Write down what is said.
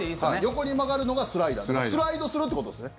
横に曲がるのがスライダースライドするってことですね。